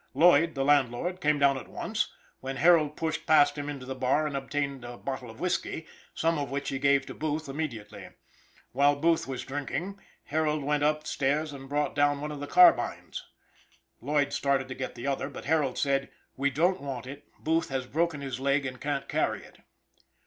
Lloyd, the landlord, came down at once, when Harold pushed past him into the bar, and obtained a bottle of whiskey, some of which he gave to Booth immediately. While Booth was drinking, Harold went up stairs and brought down one of the carbines. Lloyd started to get the other, but Harold said: "We don't want it; Booth has broken his leg and can't carry it."